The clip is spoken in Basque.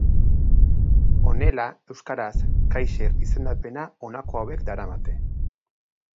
Honela, euskaraz, kaiser izendapena honako hauek daramate.